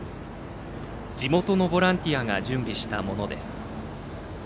地元のボランティアが準備したものです。